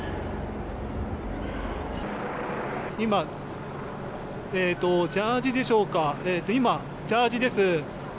今、ジャージーでしょうかジャージーです。